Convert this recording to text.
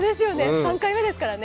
３回目ですからね。